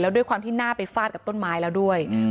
ด้วยความที่หน้าไปฟาดกับต้นไม้แล้วด้วย